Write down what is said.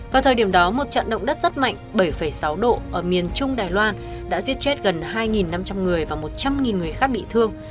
vào thời điểm đó một trận động đất rất mạnh bảy sáu độ ở miền trung đài loan đã giết chết gần hai năm trăm linh người và một trăm linh người khác bị thương